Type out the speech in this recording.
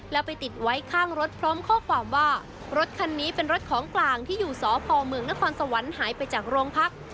แล้วไปติดไว้ข้างรถพร้อมข้อความว่ารถคันนี้เป็นรถของกลางที่อยู่สพเมืองนครสวรรค์หายไปจากโรงพัก